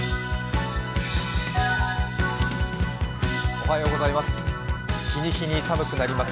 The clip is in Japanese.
おはようございます。